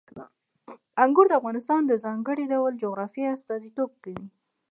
انګور د افغانستان د ځانګړي ډول جغرافیې استازیتوب کوي.